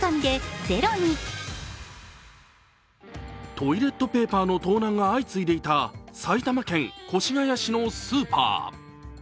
トイレットペーパーの盗難が相次いでいた埼玉県越谷市のスーパー。